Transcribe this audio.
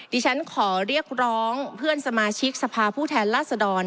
ดิฉันขอเรียกร้องเพื่อนสมาชิกสภาผู้แทนราษดร